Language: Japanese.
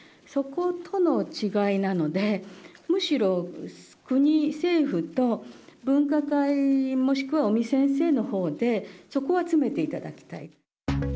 そことの違いなので、むしろ国、政府と、分科会、もしくは尾身先生のほうで、そこは詰めていただきたい。